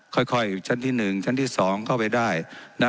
ค่อยค่อยชั้นที่หนึ่งชั้นที่สองเข้าไปได้น่ะ